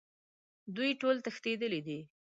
دوی ټول تښتیدلي دي